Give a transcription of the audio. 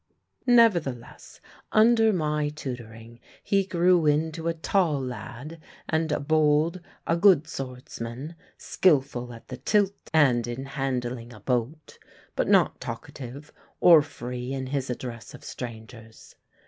Nevertheless, under my tutoring he grew into a tall lad and a bold, a good swordsman, skilful at the tilt and in handling a boat; but not talkative or free in his address of strangers.